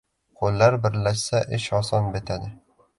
• Qo‘llar birlashsa ish oson bitadi.